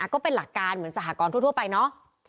ก็เป็นหลักการเหมือนสหกรณ์ทั่วไปเนาะ